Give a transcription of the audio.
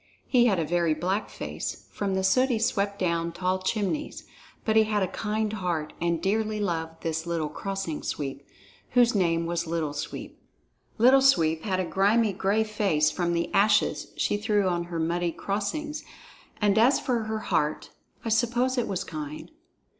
He had a very black face, from the soot he swept down tall chimneys, but he had a kind heart and dearly loved this little Crossing Sweeper, whose name was Little Sweep. Little Sweep had a grimy, gray face from the ashes she threw on her muddy crossings, and as for her heart, I suppose it was kind.